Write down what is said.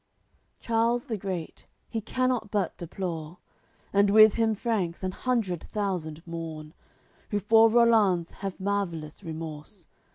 AOI. LXVIII Charles the great, he cannot but deplore. And with him Franks an hundred thousand mourn, Who for Rollanz have marvellous remorse.